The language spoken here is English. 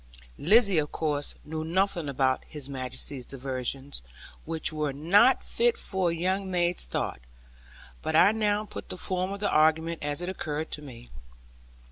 Lizzie, of course, knew nothing about His Majesty's diversions, which were not fit for a young maid's thoughts; but I now put the form of the argument as it occurred to me.